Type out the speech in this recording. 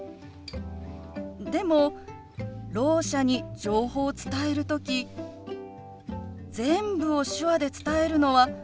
でもろう者に情報を伝える時全部を手話で伝えるのは難しいと思うの。